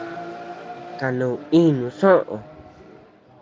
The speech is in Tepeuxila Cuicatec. Kanu inu soʼö.